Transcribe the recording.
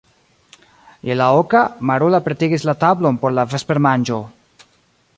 Je la oka, Marula pretigis la tablon por la vespermanĝo.